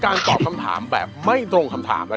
การตอบคำถามแบบไม่ตรงคำถามนะครับ